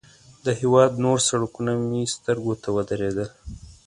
د هېواد نور سړکونه مې سترګو ته ودرېدل.